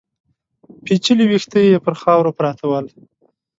پيچلي ويښته يې پر خاورو پراته ول.